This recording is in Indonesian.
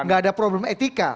nggak ada problem etika